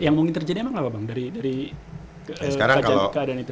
yang mungkin terjadi emang apa bang dari keadaan itu